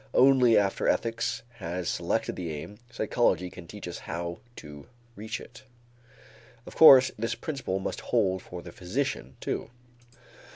Only after ethics has selected the aim, psychology can teach us how to reach it. Of course this principle must hold for the physician too.